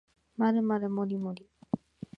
まるまるもりもり